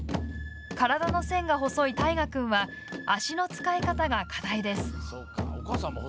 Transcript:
体の線が細い虎君は足の使い方が課題です。